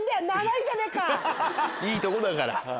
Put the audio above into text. いいとこだから。